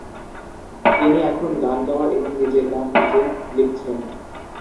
তিনি এখন গান গাওয়া এবং নিজের গান নিজেই লিখছেন।